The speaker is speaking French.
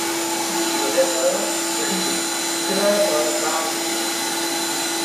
Tes yeux rêveurs brillaient, pleins d'un vague sourire.